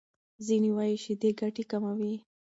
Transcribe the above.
ځینې وايي شیدې ګټې کموي.